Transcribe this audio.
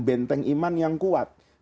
benteng iman yang kuat